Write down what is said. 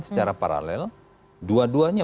secara paralel dua duanya